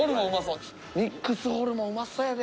ミックスホルモンうまそうやで。